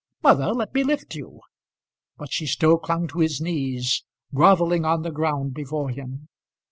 Mother, let me lift you." But she still clung to his knees, grovelling on the ground before him.